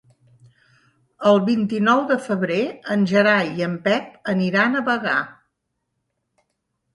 El vint-i-nou de febrer en Gerai i en Pep aniran a Bagà.